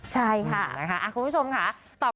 ใช่ค่ะคุณผู้ชมค่ะ